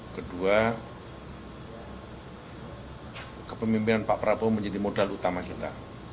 kedua kepemimpinan pak prabowo menjadi modal utama kita